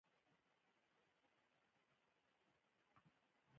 د تودوخې د اړتیا وړ انرژي برابرول مهم دي.